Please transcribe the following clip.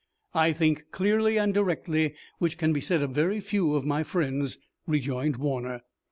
"I think clearly and directly, which can be said of very few of my friends," rejoined Warner.